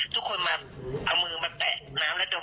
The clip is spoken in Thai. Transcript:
ทุกคนมาเอามือไปแปะน้ำและดม